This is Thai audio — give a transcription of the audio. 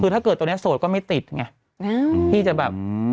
ถ้าเกิดตัวนี้โสดก็ไม่ติดอ่ะที่จะเนื่องกับ